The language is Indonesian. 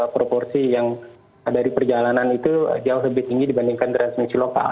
proporsi yang dari perjalanan itu jauh lebih tinggi dibandingkan transmisi lokal